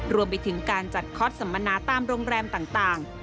รวมไปถึงการจัดคอร์สสัมมนาตามโรงแรมต่าง